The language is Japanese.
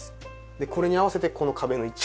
でこれに合わせてこの壁の位置を。